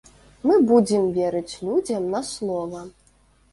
Мы будзем верыць людзям на слова.